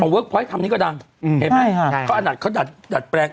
เวิร์คพลอยทำนี้ก็ดังใช่ไหมใช่เขาอาหารเขาดัดดัดแปลก